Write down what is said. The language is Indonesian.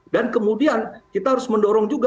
dan kemudian kita harus mendorong juga